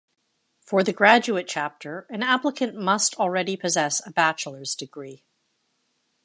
For the graduate chapter, an applicant must already possess a bachelor's degree.